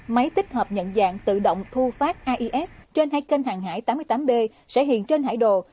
máy tích hợp nhận dạng tự động thu phát ais trên hai kênh hàng hải tám mươi tám b sẽ hiện trên hải đồ